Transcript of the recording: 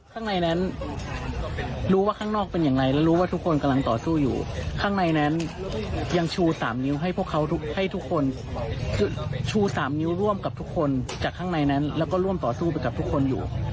ข้างในนั้นรู้ว่าข้างนอกเป็นอย่างไรแล้วรู้ว่าทุกคนกำลังต่อสู้อยู่ข้างในนั้นยังชู๓นิ้วให้พวกเขาให้ทุกคนคือชู๓นิ้วร่วมกับทุกคนจากข้างในนั้นแล้วก็ร่วมต่อสู้ไปกับทุกคนอยู่